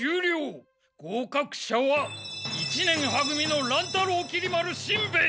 合格者は一年は組の乱太郎きり丸しんべヱ！